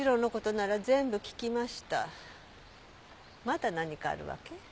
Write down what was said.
まだ何かあるわけ？